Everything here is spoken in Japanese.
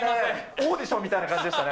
オーディションみたいな感じでしたね。